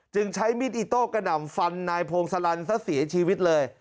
ใช้มีดอิโต้กระหน่ำฟันนายพงศลันซะเสียชีวิตเลย